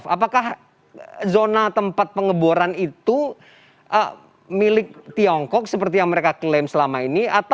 apakah zona tempat pengeboran itu milik tiongkok seperti yang mereka klaim selama ini